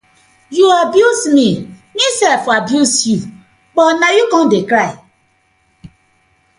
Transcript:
Yu abuse mi mi sef I abuse yu but na yu com de cry.